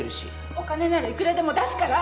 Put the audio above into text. お金ならいくらでも出すから！